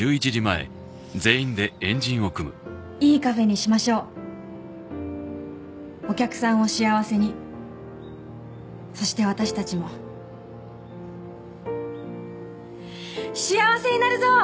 いいカフェにしましょうお客さんを幸せにそして私たちも幸せになるぞ！